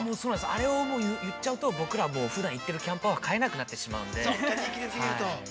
あれを言っちゃうと、僕らもうふだん行ってるキャンパーは、買えなくなってしまうんで。